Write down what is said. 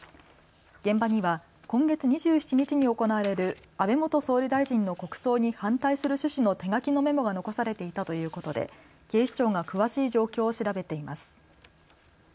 現場には今月２７日に行われる安倍元総理大臣の国葬に反対する趣旨の手書きのメモが残されていたということで警視庁が詳しい状況を調べています。